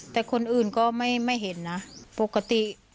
แต่คนอื่นก็ไม่เห็นนะปกติ